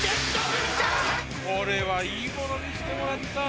これはいいもの見せてもらったわ。